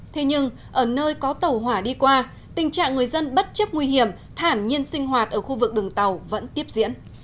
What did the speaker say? thế nhưng ở nơi có tàu hỏa đi qua tình trạng người dân bất chấp nguy hiểm thản nhiên sinh hoạt ở khu vực đường tàu vẫn tiếp diễn